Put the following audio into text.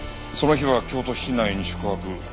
その日は京都市内に宿泊。